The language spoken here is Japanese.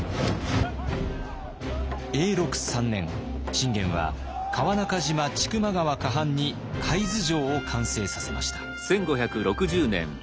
信玄は川中島千曲川河畔に海津城を完成させました。